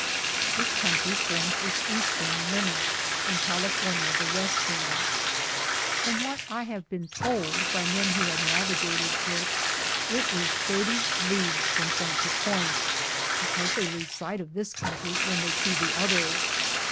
This country forms its eastern limit, and California the western. From what I iiave been told by men who had navigated it, it is 30 leagues across from point to point, tiecause they lose eight of this country when they see the other.